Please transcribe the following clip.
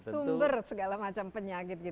sumber segala macam penyakit kita ini